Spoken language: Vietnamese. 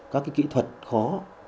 các kỹ thuật khó